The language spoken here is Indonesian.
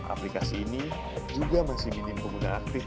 aplikasi ini juga masih minim pengguna aktif